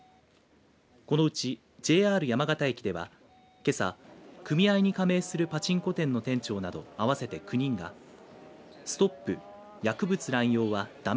このうちＪＲ山形駅ではけさ、組合に加盟するパチンコ店の店長など合わせて９人がＳＴＯＰ薬物乱用はダメ。